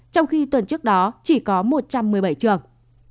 trong khi tuần trước đó chỉ có một trăm một mươi bảy trường